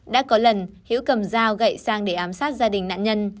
đã có lần hiễu cầm dao gậy sang để ám sát gia đình nạn nhân